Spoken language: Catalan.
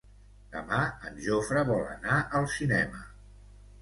Demà en Jofre vol anar al cinema.